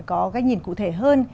có cái nhìn cụ thể hơn